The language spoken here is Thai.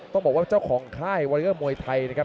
ต้องบอกว่าเจ้าของค่ายวอเลอร์มวยไทยนะครับ